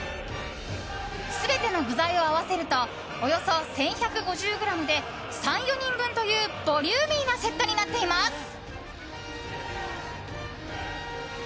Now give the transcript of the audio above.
全ての具材を合わせるとおよそ１１５０ｇで３４人分というボリューミーなセットとなっています。